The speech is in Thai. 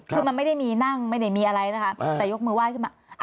คือมันไม่ได้มีนั่งไม่ได้มีอะไรนะคะแต่ยกมือไห้ขึ้นมา